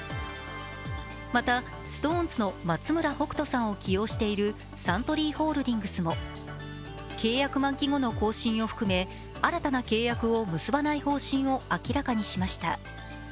また、ＳｉｘＴＯＮＥＳの松村北斗さんを起用しているサントリーホールディングスも契約満期後の更新を含め、新たな契約を結ばない方針を明らかにしました。